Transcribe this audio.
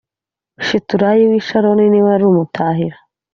Shiturayi w i sharoni ni we wari umutahira